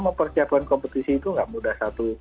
mempersiapkan kompetisi itu nggak mudah